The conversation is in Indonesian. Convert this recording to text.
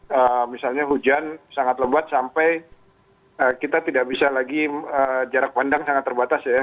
karena misalnya hujan sangat lebat sampai kita tidak bisa lagi jarak pandang sangat terbatas ya